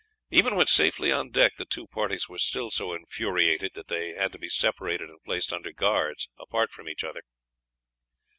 Even when safely on deck, the two parties were still so infuriated that they had to be separated and placed under guards apart from each other.